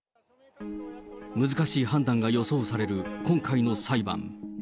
難しい判断が予想される今回の裁判。